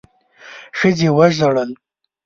ښځې وژړل.